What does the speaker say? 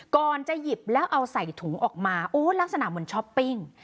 ก่อนจะหยิบแล้วเอาใส่ถุงออกมาโอ้ลักษณะเหมือนช้อปปิ้ง